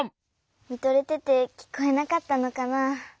みとれててきこえなかったのかな。